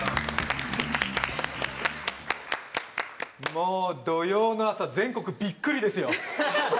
もう土曜の朝全国びっくりですよ